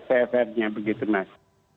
sefernya begitu mas